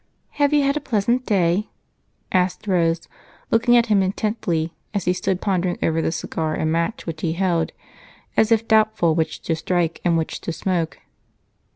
"Have you had a pleasant day?" asked Rose, looking at him intently as he stood pondering over the cigar and match which he held, as if doubtful which to strike and which to smoke.